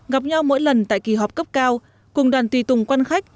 gặp nhau mỗi lần tại kỳ họp cấp cao cùng đoàn tùy tùng quan khách